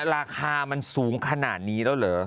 ราคามันสูงขนาดนี้แล้วเหรอ